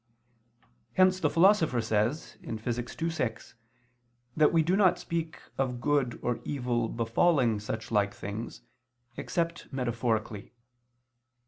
Hence the Philosopher says (Phys. ii, 6) that we do not speak of good or evil befalling such like things, except metaphorically.